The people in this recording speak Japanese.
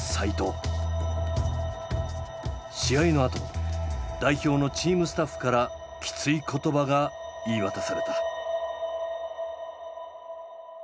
試合のあと代表のチームスタッフからきつい言葉が言い渡された。